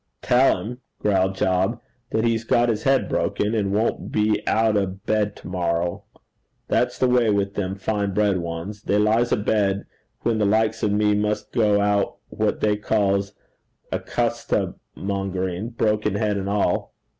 'Tell him,' growled Job, 'that he's got his head broken, and won't be out o' bed to morrow. That's the way with them fine bred ones. They lies a bed when the likes o' me must go out what they calls a custamongering, broken head and all.'